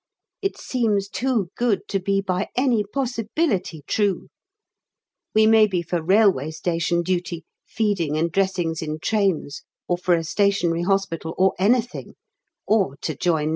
It seems too good to be by any possibility true. We may be for Railway Station duty, feeding and dressings in trains or for a Stationary Hospital, or anything, or to join No.